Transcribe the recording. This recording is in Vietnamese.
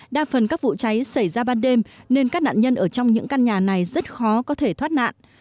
đa phần các vụ cháy xảy ra ban đêm nên các nạn nhân ở trong những căn nhà này rất khó có thể thoát nạn